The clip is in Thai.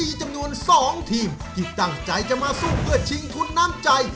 มีจำนวน๒ทีมที่ตั้งใจจะมาสู้เพื่อชิงทุนน้ำใจ